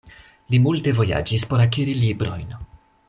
Li multe vojaĝis por akiri librojn.